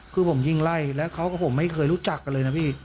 คือผมยิงไล่แล้วเขากับผมไม่เคยรู้จักกันเลยนะพี่